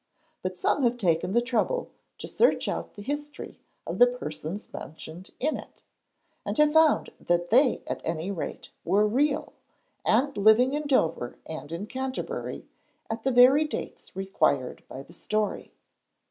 But some have taken the trouble to search out the history of the persons mentioned in it, and have found that they at any rate were real, and living in Dover and in Canterbury at the very dates required by the story.